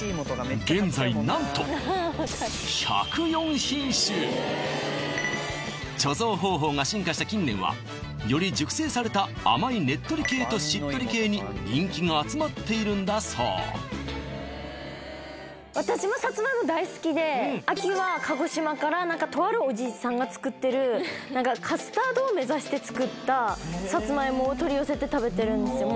現在何と１０４品種貯蔵方法が進化した近年はより熟成された甘いねっとり系としっとり系に人気が集まっているんだそう私も秋は鹿児島から何かとあるおじさんが作ってる何かカスタードを目指して作ったさつまいもを取り寄せて食べてるんですよ